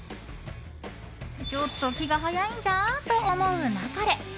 ちょっと気が早いんじゃと思うなかれ！